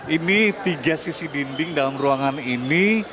ini tiga sisi dinding dalam ruangan ini